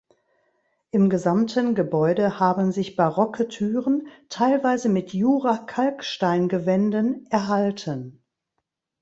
Im gesamten Gebäude haben sich barocke Türen, teilweise mit Jura-Kalksteingewänden, erhalten.